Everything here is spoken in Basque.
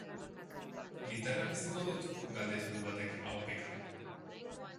Linterna piztuko dut?, galdetu du batek ahopeka.